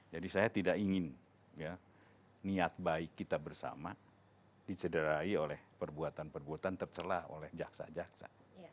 jadi saya tidak ingin ya niat baik kita bersama disederai oleh perbuatan perbuatan terserah oleh jaksa jaksa